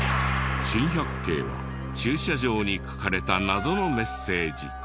珍百景は駐車場に書かれた謎のメッセージ。